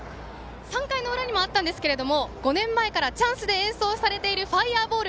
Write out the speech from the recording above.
３回の裏にもあったんですが５年前からチャンスで演奏されている「ＦｉｒｅＢａｌｌ」。